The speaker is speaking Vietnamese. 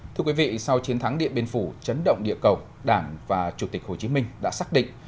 thưa quý vị sau chiến thắng điện biên phủ chấn động địa cầu đảng và chủ tịch hồ chí minh đã xác định